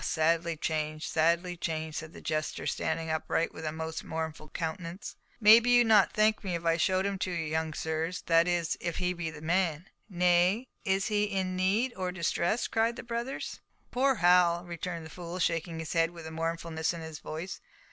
sadly changed, sadly changed," said the jester, standing upright, with a most mournful countenance. "Maybe you'd not thank me if I showed him to you, young sirs, that is, if he be the man." "Nay! is he in need, or distress?" cried the brothers. "Poor Hal!" returned the fool, shaking his head with mournfulness in his voice.